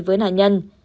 với nạn nhân